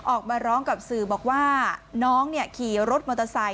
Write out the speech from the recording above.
ออกมาร้องกับสื่อบอกว่าน้องขี่รถมอเตอร์ไซค